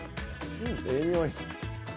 ええ匂い。